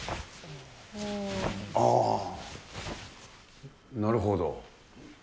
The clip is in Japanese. ああ、なるほど。